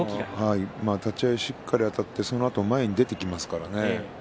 立ち合い、しっかりあたってそのあと前へと出ていきますよね。